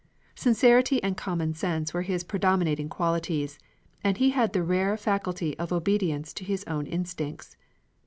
Sincerity and common sense were his predominating qualities, and he had the rare faculty of obedience to his own instincts.